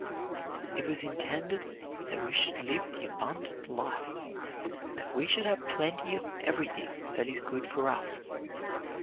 It was intended that we should live the abundant life, that we should have plenty of everything that is good for us.